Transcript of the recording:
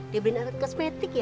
dia beli anak kosmetik ya